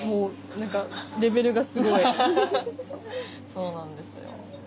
そうなんですよ。